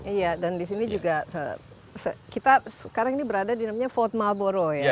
iya dan di sini juga kita sekarang ini berada di namanya fort malboro ya